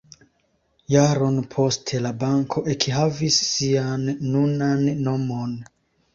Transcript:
Jaron poste la banko ekhavis sian nunan nomon.